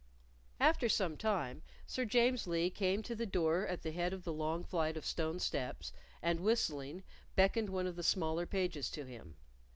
After some time Sir James Lee came to the door at the head of the long flight of stone steps, and whistling, beckoned one of the smaller pages to him.